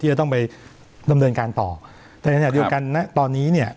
จะต้องไปดำเนินการต่อแต่ในขณะเดียวกันนะตอนนี้เนี่ย